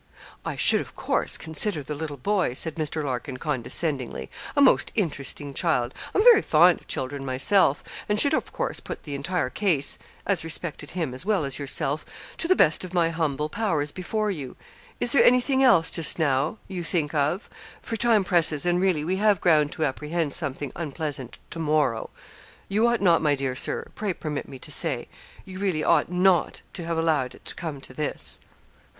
'I should, of course, consider the little boy,' said Mr. Larkin, condescendingly; 'a most interesting child. I'm very fond of children myself, and should, of course, put the entire case as respected him as well as yourself to the best of my humble powers before you. Is there any thing else just now you think of, for time presses, and really we have ground to apprehend something unpleasant to morrow. You ought not, my dear Sir pray permit me to say you really ought not to have allowed it to come to this.'